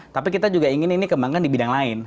tapi kita juga ingin ini kembangkan di bidang lain